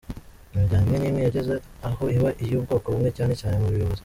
Imiryango imwe n’imwe yageze aho iba iy’ubwoko bumwe cyane cyane mu buyobozi.